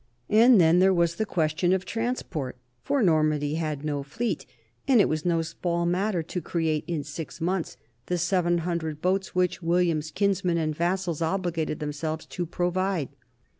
And then there was the question of transport, for Normandy had no fleet and it was no small matter to create in six months the seven hundred boats which William's kins men and vassals obligated themselves to provide.